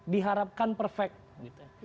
diharapkan perfect gitu ya